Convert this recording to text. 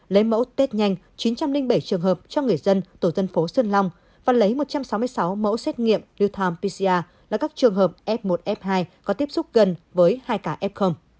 lấy mẫu tết nhanh chín trăm linh bảy trường hợp cho người dân tổ dân phố sơn long và lấy một trăm sáu mươi sáu mẫu xét nghiệm newtown pcr là các trường hợp f một f hai có tiếp xúc gần với hai cả f